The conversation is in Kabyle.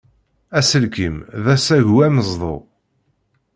Aselkim d asagu ameẓdu.